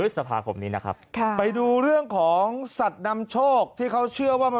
พฤษภาคมนี้นะครับค่ะไปดูเรื่องของสัตว์นำโชคที่เขาเชื่อว่ามัน